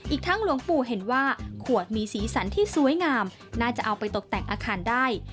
อีกทั้งหลวงปู่เห็นว่าขวดมีสีสันที่สวยงามน่าจะเอาไปตกแต่งอาคารได้